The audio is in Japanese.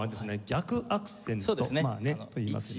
逆アクセントといいますね。